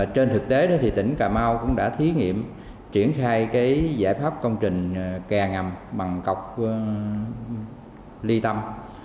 trên thực tế thì tỉnh cà mau cũng đã thí nghiệm triển khai cái giải pháp công trình kè ngầm bằng cọc ly tâm